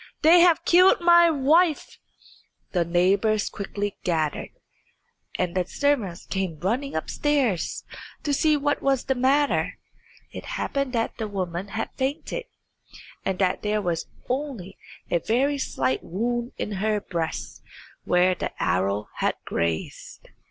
They have killed my wife." The neighbours quickly gathered, and the servants came running upstairs to see what was the matter. It happened that the woman had fainted, and that there was only a very slight wound in her breast where the arrow had grazed.